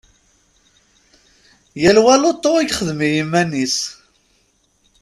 Yal wa lutu i yexdem i yiman-is.